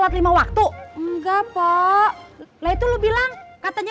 lo mau nyinggung